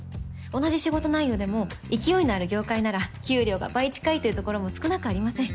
同じ仕事内容でも勢いのある業界なら給料が倍近いというところも少なくありません。